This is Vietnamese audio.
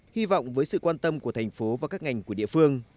hy vọng với sự quan tâm của thành phố và các ngành của địa phương